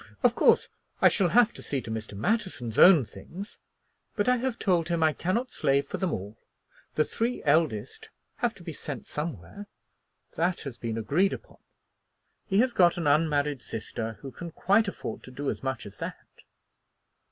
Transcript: Of course I shall have to see to Mr. Matterson's own things, but I have told him I cannot slave for them all. The three eldest have to be sent somewhere; that has been agreed upon. He has got an unmarried sister who can quite afford to do as much as that."